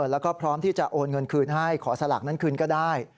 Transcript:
แล้วก็พร้อมที่จะโอนเงินคืนให้ขอสลากนั้นคืนก็ได้